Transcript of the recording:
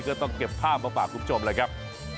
ก็ต้องเก็บภาพมาฝากคุณผู้ชมเลยครับ